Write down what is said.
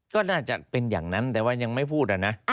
ก็น่าจะเป็นอย่างนั้นแต่ว่ายังไม่พูดนะ